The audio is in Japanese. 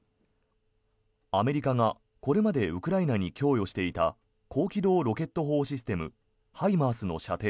アメリカがこれまでウクライナに供与していた高機動ロケット砲システムＨＩＭＡＲＳの射程